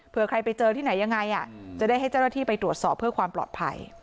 เพื่อใครไปเจอที่ไหนยังไงจะได้ให้เจ้าหน้าที่ไปตรวจสอบเพื่อความปลอดภัย